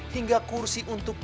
hingga kursi untuk tidur